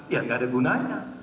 ya tidak ada gunanya